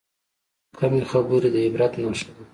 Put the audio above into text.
کمې خبرې، د عبرت نښه ده.